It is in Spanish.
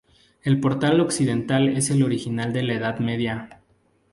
El portal occidental es el original de la Edad Media.